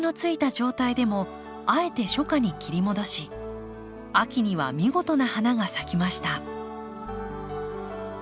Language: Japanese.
状態でもあえて初夏に切り戻し秋には見事な花が咲きました。